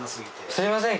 すいません